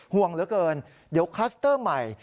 ห่วงเหลือเกินเดี๋ยวคลัสเตอร์ใหม่